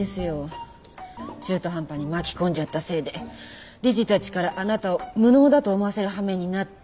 中途半端に巻き込んじゃったせいで理事たちからあなたを無能だと思わせるはめになって。